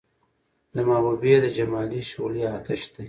د محبوبې د جمال شغلې اۤتش دي